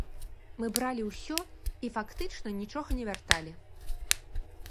Мы бралі ўсё і фактычна нічога не вярталі.